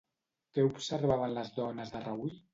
Què observaven les dones de reüll?